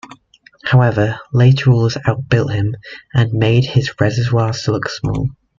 However, later rulers out-built him and made his reservoir look small.